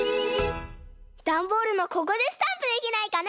ダンボールのここでスタンプできないかな？